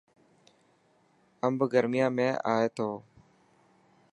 امب گر، يان ۾ ائي ٿو.